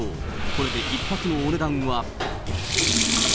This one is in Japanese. これで１泊のお値段は。